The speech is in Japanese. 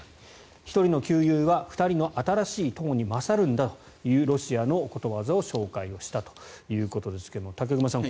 １人の旧友は２人の新しい友に勝るんだというロシアのことわざの紹介をしたということですが武隈さん